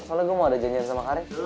soalnya gue mau ada janjian sama karya